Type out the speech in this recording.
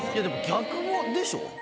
でも逆もでしょ？